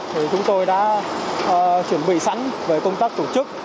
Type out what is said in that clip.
thì chúng tôi đã chuẩn bị sẵn về công tác tổ chức